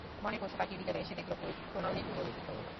বনের পশুপাখি বিকেলে এসে দেখল—কই, টোনাও নেই, টুনিও নেই, পিঠাও নেই।